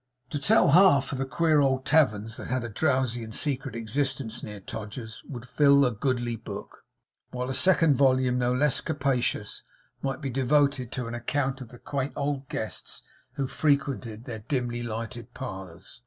To tell of half the queer old taverns that had a drowsy and secret existence near Todgers's, would fill a goodly book; while a second volume no less capacious might be devoted to an account of the quaint old guests who frequented their dimly lighted parlours.